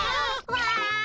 わい！